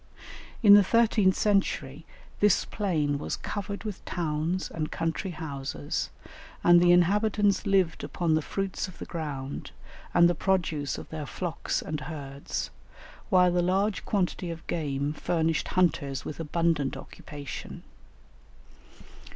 In the thirteenth century this plain was covered with towns and country houses, and the inhabitants lived upon the fruits of the ground, and the produce of their flocks and herds, while the large quantity of game furnished hunters with abundant occupation.